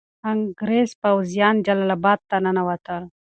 انګریز پوځیان جلال اباد ته ننوتل.